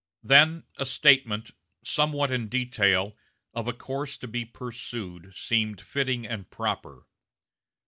Then, a statement, somewhat in detail, of a course to be pursued, seemed fitting and proper.